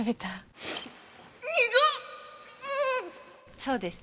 そうです。